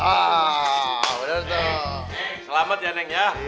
hehehe selamat ya neng ya